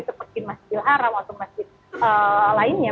seperti masjid bilharam atau masjid lainnya